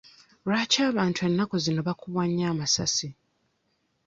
Lwaki abantu ennaku zino bakubwa nnyo amasasi?